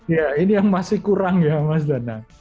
ya ini yang masih kurang ya mas dana